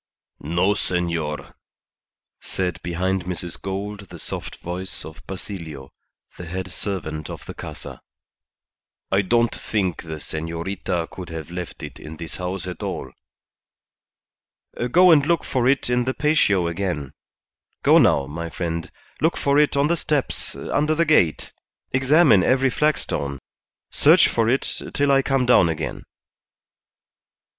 "No, senor," said behind Mrs. Gould the soft voice of Basilio, the head servant of the Casa. "I don't think the senorita could have left it in this house at all." "Go and look for it in the patio again. Go now, my friend; look for it on the steps, under the gate; examine every flagstone; search for it till I come down again.